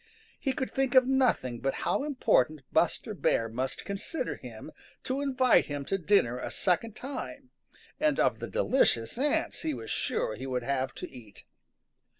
He could think of nothing but how important Buster Bear must consider him to invite him to dinner a second time, and of the delicious ants he was sure he would have to eat.